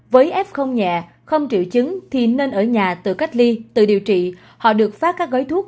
với f nhà không triệu chứng thì nên ở nhà tự cách ly tự điều trị họ được phát các gói thuốc